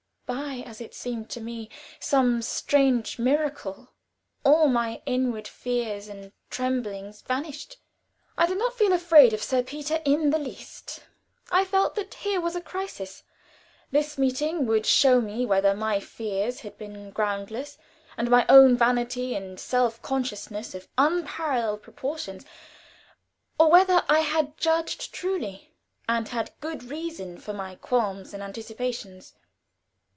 By, as it seemed to me, some strange miracle all my inward fears and tremblings vanished. I did not feel afraid of Sir Peter in the least. I felt that here was a crisis. This meeting would show me whether my fears had been groundless, and my own vanity and self consciousness of unparalleled proportions, or whether I had judged truly, and had good reason for my qualms and anticipations.